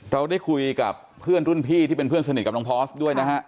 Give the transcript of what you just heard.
เราได้คุยกับเพื่อนรุ่นพี่ที่เป็นเพื่อนสนิทกับน้องพอร์สด้วยนะฮะ